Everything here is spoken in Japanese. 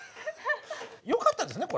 よかったですね。